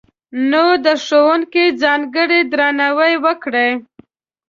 نو، د ښوونکي ځانګړی درناوی وکړئ!